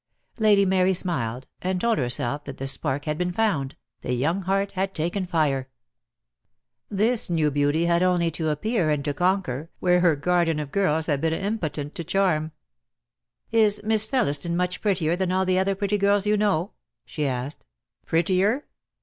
Lady Mary smiled, and told herself that the spark had been found, the young heart had taken fire. This new beauty had only to appear and to 138 DEAD LOVE HAS CHAINS. conquer, where her garden of girls had been im potent to charm. "Is Miss Thelliston much prettier than all the other pretty girls you know?" she asked. "Prettier?